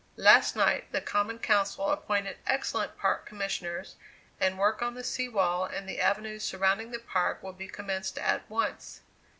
Last night the Common Council appointed excellent Park Commissioners, and work on the sea wall and the avenues surrounding the Park will be commenced at once.